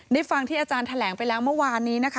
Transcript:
ฟังที่อาจารย์แถลงไปแล้วเมื่อวานนี้นะคะ